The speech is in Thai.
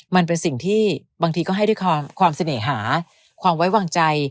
มันเป็นสิ่งที่บางทีก็ให้ด้วยความเสน่หาความไว้วางใจ